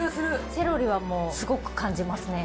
セロリはもうすごく感じますね。